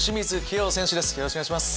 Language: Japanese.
よろしくお願いします。